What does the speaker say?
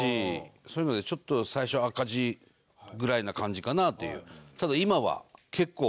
そういうのでちょっと最初赤字ぐらいな感じかなという。